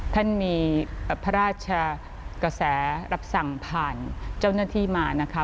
ท่านมีพระราชกษารับสั่งผ่านเจ้าหน้าที่มา